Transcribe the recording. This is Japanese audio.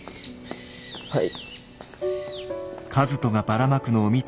はい。